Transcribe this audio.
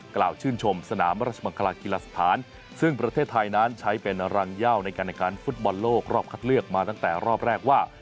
กล่าวชื่นชมสนามราชมังคลากีฬาสถานซึ่งประเทศไทยนั้นใช้เป็นรังเย่าในการฟุตบอลโลกรอบคัดเลือกมาตั้งแต่รอบแรกว่า